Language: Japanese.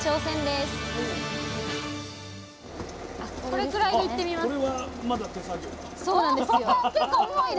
これくらいでいってみます。